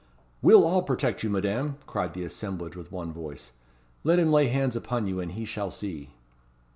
"We'll all protect you, Madame," cried the assemblage with one voice "Let him lay hands upon you, and he shall see."